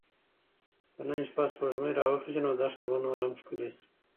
که نن شپه سپوږمۍ راوخیژي نو دښته به نوره هم ښکلې شي.